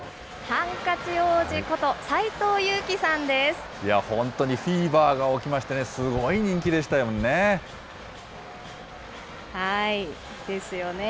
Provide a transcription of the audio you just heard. ハンカチ王子こと、本当にフィーバーが起きましですよね。